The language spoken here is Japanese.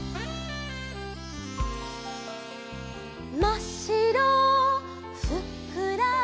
「まっしろふっくら」